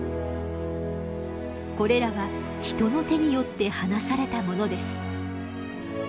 これらは人の手によって放されたものです。